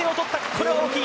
これは大きい。